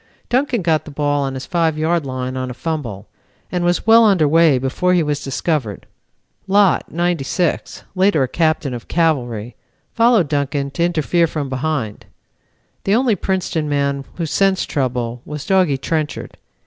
Duncan got the ball on his 5 yard line on a fumble, and was well under way before he was discovered. Lott, '96, later a captain of Cavalry, followed Duncan to interfere from behind. The only Princeton man who sensed trouble was Doggy Trenchard.